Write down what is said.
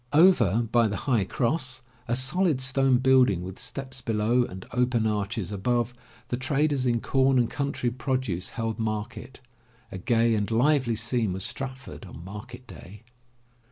Over by the High Cross, a solid stone building with steps below and open arches above, the traders in com and country produce held market. A gay and lively scene was Stratford on market day.